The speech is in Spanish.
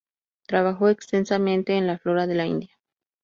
Trabajó extensamente en la flora de la India.